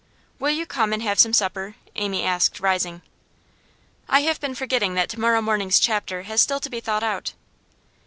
'Will you come and have some supper?' Amy asked, rising. 'I have been forgetting that to morrow morning's chapter has still to be thought out.